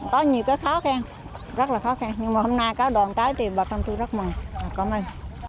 có nhiều cái khó khăn rất là khó khăn nhưng mà hôm nay có đoàn tái thì bà con tôi rất mừng cảm ơn